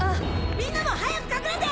みんなも早く隠れて！